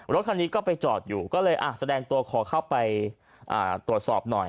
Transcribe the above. รถคันนี้ก็ไปจอดอยู่ก็เลยแสดงตัวขอเข้าไปตรวจสอบหน่อย